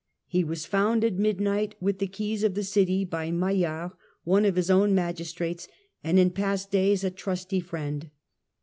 He was found at midnight with the keys of the city by Maillart, one of his own magistrates, and in past days a trusty friend.